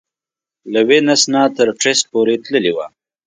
له وینس نه تر ترېسټ پورې تللې وه.